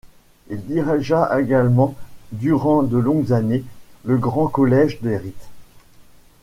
Il dirigea également durant de longues années le Grand Collège des Rites.